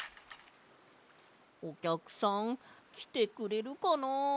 おきゃくさんきてくれるかな？